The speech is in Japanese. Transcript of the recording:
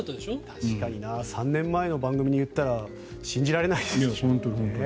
確かに３年前の番組に言ったら信じられないでしょうね。